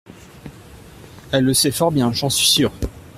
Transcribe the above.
Elle le sait fort bien, j’en suis sûr.